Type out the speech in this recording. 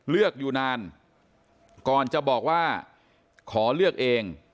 เลือกอยู่นานก่อนจะบอกว่าขอเลือกเอง